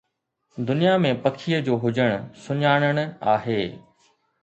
دنيا ۾ پکيءَ جو هجڻ، سُڃاڻڻ آهي